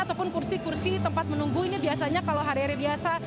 ataupun kursi kursi tempat menunggu ini biasanya kalau hari hari biasa